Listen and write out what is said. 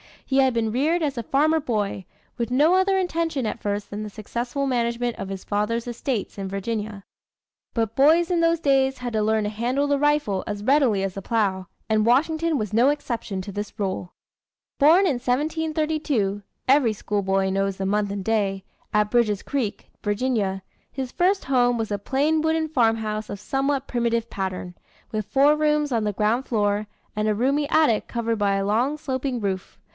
He had been reared as a farmer boy, with no other intention at first than the successful management of his father's estates in Virginia. But boys in those days had to learn to handle the rifle as readily as the plow, and Washington was no exception to this rule. Born in 1732 (every schoolboy knows the month and day) at Bridges Creek, Virginia, his first home was a plain wooden farmhouse of somewhat primitive pattern, with four rooms on the ground floor, and a roomy attic covered by a long, sloping roof.